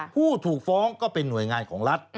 ผู้ถูกฟ้องก็เป็นหน่วยงานของรัฐ